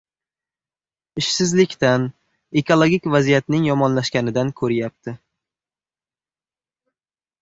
ishsizlikdan, ekologik vaziyatning yomonlashganidan ko‘ryapti.